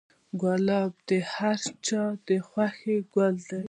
ګلاب د هر چا د خوښې ګل دی.